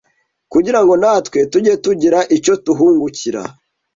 kugira ngo natwe tujye tugira icyo tuhungukira